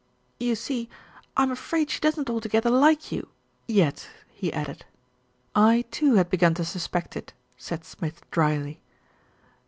"You see, I'm afraid she doesn't altogether like you yet," he added. "I too had begun to suspect it," said Smith drily.